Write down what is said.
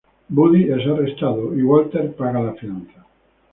Buddy es arrestado y Walter paga la fianza.